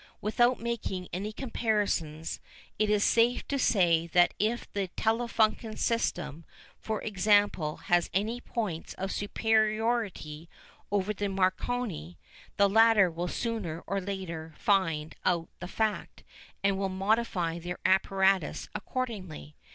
Without making any comparisons, it is safe to say that if the Telefunken system, for example, has any points of superiority over the Marconi, the latter will sooner or later find out the fact, and will modify their apparatus accordingly.